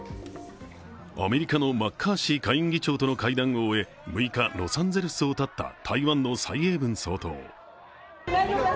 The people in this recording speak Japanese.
アメリカのマッカーシー下院議長との会談を終え、６日、ロサンゼルスを発った台湾の蔡英文総統。